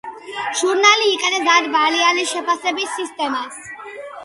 ჟურნალი იყენებს ათ ბალიანი შეფასების სისტემას.